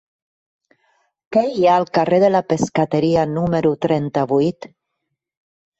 Què hi ha al carrer de la Pescateria número trenta-vuit?